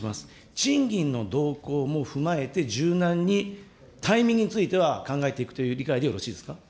賃金の動向も踏まえて柔軟にタイミングについては考えていくという理解でよろしいですか。